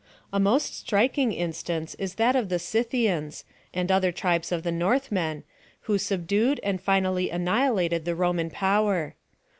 A most striking instance is that of the Scythians, and other tribes of the Northmen, who subdued and finally annihilated the Roman pov/er.